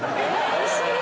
一緒に？